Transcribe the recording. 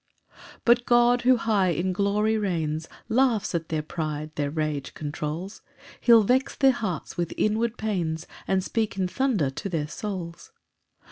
3 But God, who high in glory reigns, Laughs at their pride, their rage controls; He'll vex their hearts with inward pains, And speak in thunder to their souls.